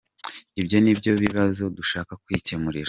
Ibyo ni byo bibazo dushaka kwikemurira.